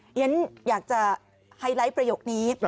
ฉันอยากจะไฮไลท์ประโยคนี้